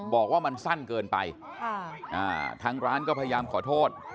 บอกว่ามันสั้นเกินไปทางร้านก็พยายามขอโทษ